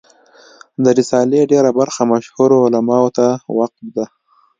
د رسالې ډېره برخه مشهورو علماوو ته وقف ده.